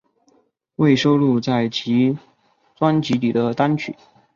未收录在其专辑里的单曲